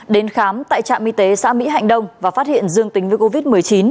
đến khám tại trạm y tế xã mỹ hạnh đông và phát hiện dương tính với covid một mươi chín